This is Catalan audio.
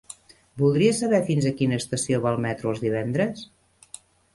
Voldria saber fins a quina estació va el metro els divendres?